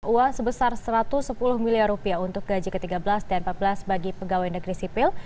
uang sebesar satu ratus sepuluh miliar rupiah untuk gaji ke tiga belas dan ke empat belas bagi pegawai negeri sipil